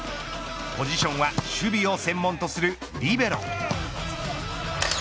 ポジションは守備を専門とするリベロ。